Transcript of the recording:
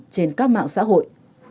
trên các mạng xã hội